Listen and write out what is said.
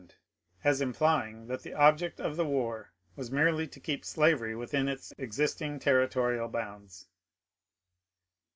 412 MONCUBE DANIEL CONWAY land, as implying that the object of the war was merely to keep slavery within its existing territorial bounds.